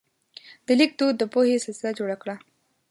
د لیک دود د پوهې سلسله جوړه کړه.